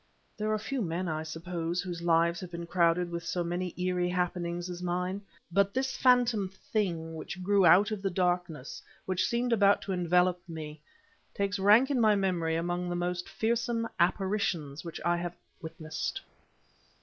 There are few men, I suppose, whose lives have been crowded with so many eerie happenings as mine, but this phantom thing which grew out of the darkness, which seemed about to envelope me, takes rank in my memory amongst the most fearsome apparitions which I have witnessed.